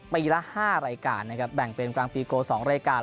ปีละ๕รายการนะครับแบ่งเป็นกลางปีโก๒รายการ